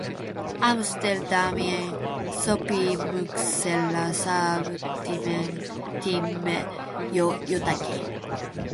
Amsterdamin sopimuksella saavutimme jo jotakin.